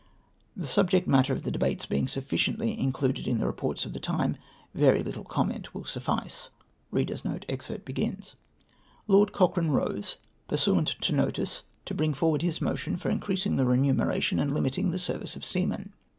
The subject matter of the debates being sufficiently included in the reports of the time, very little comment will suffice. " LoitD CocHRAJS'E rose, pursuant to notice, to bring for ward his motion for increasing the remuneration and limitinor the service of seamen.